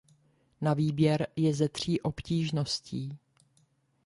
Na výběr je ze tří obtížností.